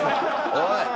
おい。